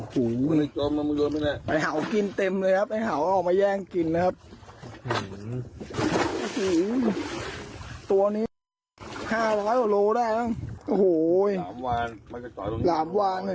กินตากินหมึกเลยนะครับ